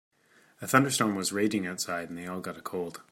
A thunderstorm was raging outside and they all got a cold.